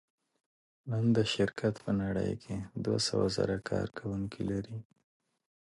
نن دا شرکت په نړۍ کې دوهسوهزره کارکوونکي لري.